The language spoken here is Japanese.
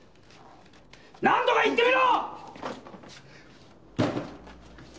なんとか言ってみろ！